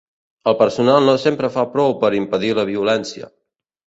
El personal no sempre fa prou per impedir la violència.